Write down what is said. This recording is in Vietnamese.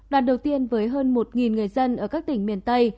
lần đầu tiên với hơn một người dân ở các tỉnh miền tây